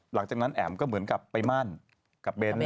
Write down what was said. หลังจากนั้นแอ๋มก็เหมือนกับไปมั่นกับเบ้น